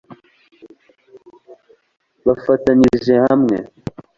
Bafatanyirije hamwe